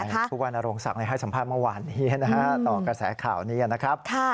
ทุกวันโรงศักดิ์ใน๒สัมภาษณ์เมื่อวานต่อกระแสข่าวนี้นะครับ